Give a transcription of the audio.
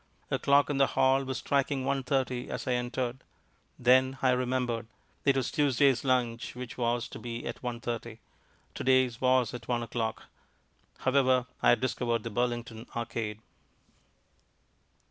A clock in the hall was striking one thirty as I entered. Then I remembered. It was Tuesday's lunch which was to be at one thirty. To day's was at one o'clock... However, I had discovered the Burlington Arcade.